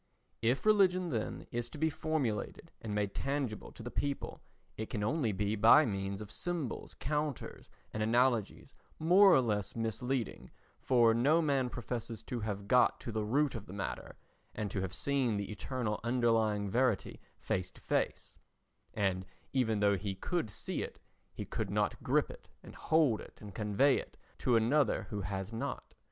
If religion, then, is to be formulated and made tangible to the people, it can only be by means of symbols, counters and analogies, more or less misleading, for no man professes to have got to the root of the matter and to have seen the eternal underlying verity face to face—and even though he could see it he could not grip it and hold it and convey it to another who has not.